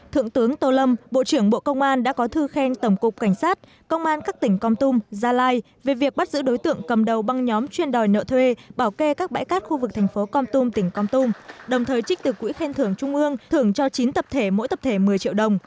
thượng tướng tô lâm bộ trưởng bộ công an đã có thư khen tổng cục cảnh sát công an các tỉnh con tum gia lai về việc bắt giữ đối tượng cầm đầu băng nhóm chuyên đòi nợ thuê bảo kê các bãi cát khu vực thành phố con tum tỉnh con tum đồng thời trích từ quỹ khen thưởng trung ương thưởng cho chín tập thể mỗi tập thể một mươi triệu đồng